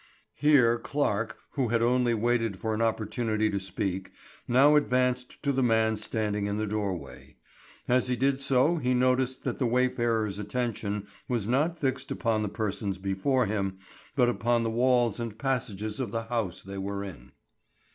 Here Clarke, who had only waited for an opportunity to speak, now advanced to the man standing in the doorway. As he did so he noticed that the wayfarer's attention was not fixed upon the persons before him, but upon the walls and passages of the house they were in.